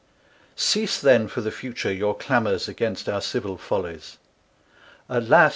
Cease then for the Future your Clamours against our civil Follies. Alas!